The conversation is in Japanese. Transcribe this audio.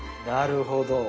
なるほど。